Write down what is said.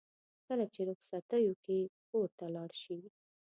کله چې رخصتیو کې کور ته لاړ شي.